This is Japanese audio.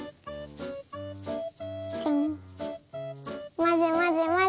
まぜまぜまぜ。